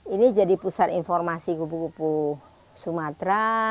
ini jadi pusat informasi kupu kupu sumatera